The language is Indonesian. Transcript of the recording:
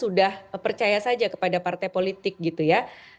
sejak awal kita sudah percaya saja kepada partai politik gitu ya